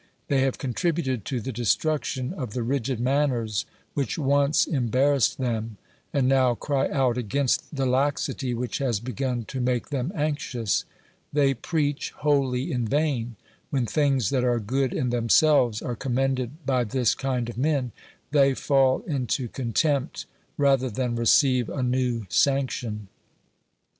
They have contributed to the destruction of the rigid manners which once embarrassed them, and now cry out against the laxity which has begun to make them anxious. They preach wholly in vain ; when things that are good in themselves are commended by this kind of men, they fall into contempt rather than receive a new sanction.